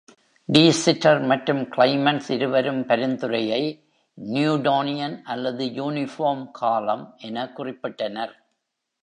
Tea Sitter மற்றும் Clemens இருவரும் பரிந்துரையை ‘ந்யூடோனியன்” அல்லது “யுனிஃபார்ம்” காலம் என குறிப்பிட்டனர்.